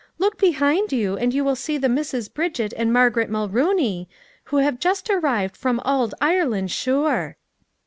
" Look behind you, and you will see the Misses Bridget and Margaret Mulrooney, who have just arrived from ould Ireland shure."